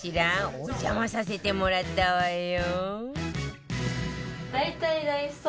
お邪魔させてもらったわよ